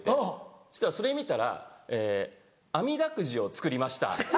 そしたらそれ見たら「あみだくじを作りました。